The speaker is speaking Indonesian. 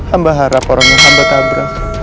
amba harap orangnya mbak tabra